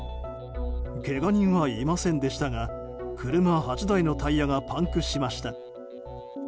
けが人はいませんでしたが車８台のタイヤがパンクしました。